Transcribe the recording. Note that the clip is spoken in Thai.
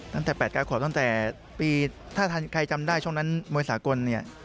ตั้งแต่๘๙ขอตั้งแต่ปีถ้าใครจำได้ช่วงนั้นมวยสากลเนี่ย